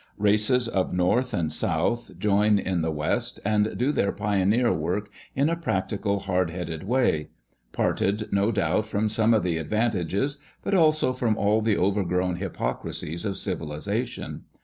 Races of North and South join in the West, and do their pioneer work in a practical hard headed way ; parted, no doubt, from some of the advantages, but also from all the overgrown hypocrisies of civilisation.